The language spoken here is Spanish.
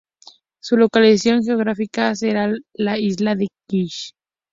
Su localización geográfica será la isla de Kish.